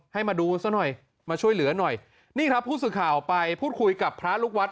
ให้มาดูซะหน่อยมาช่วยเหลือหน่อยนี่ครับผู้สื่อข่าวไปพูดคุยกับพระลูกวัด